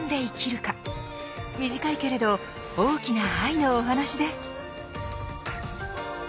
短いけれど大きな愛のお話です。